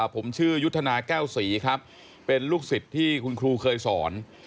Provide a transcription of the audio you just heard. ผมชื่อยุทธนาแก้วศรีครับเป็นลูกศิษย์ที่คุณครูเคยสอน